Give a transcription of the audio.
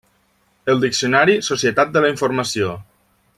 El Diccionari Societat de la informació.